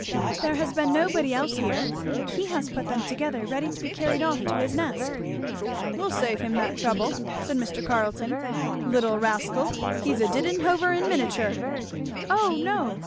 "There has been nobody else here. He has put them together, ready to be carried off to his nest." "We'll save him that trouble," said Mr. Carleton. "Little rascal! he's a Didenhover in miniature." "Oh no!"